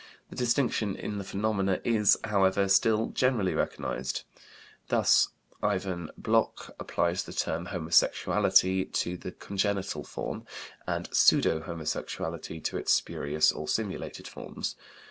The distinction in the phenomena is, however, still generally recognized; thus Iwan Bloch applies the term "homosexuality" to the congenital form, and "pseudo homosexuality" to its spurious or simulated forms.